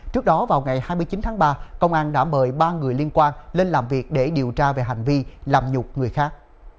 trước đó vào ngày hai mươi chín tháng ba công an đã mời ba người liên quan lên làm việc để điều tra về hành vi làm nhục người khác